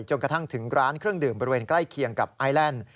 กระทั่งถึงร้านเครื่องดื่มบริเวณใกล้เคียงกับไอแลนด์